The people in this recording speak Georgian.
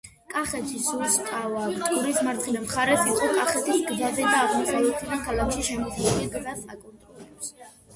კახეთის „ზასტავა“ მტკვრის მარცხენა მხარეს იყო, კახეთის გზაზე და აღმოსავლეთიდან ქალაქში შემოსასვლელ გზას აკონტროლებს.